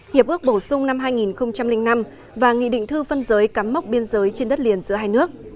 hiệp ước bổ sung năm hai nghìn năm và nghị định thư phân giới cắm mốc biên giới trên đất liền giữa hai nước